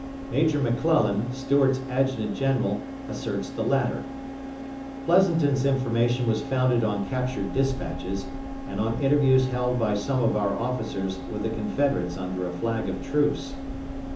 Major McClellan, Stuart's adjutant general, asserts the latter. Pleasonton's information was founded on captured despatches, and on interviews held by some of our officers with the Confederates under a flag of truce.